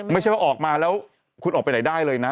ไม่ใช่ว่าออกมาแล้วคุณออกไปไหนได้เลยนะ